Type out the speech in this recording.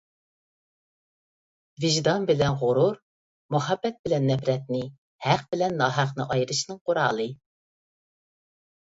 ۋىجدان بىلەن غۇرۇر، مۇھەببەت بىلەن نەپرەتنى، ھەق بىلەن ناھەقنى ئايرىشنىڭ قورالى.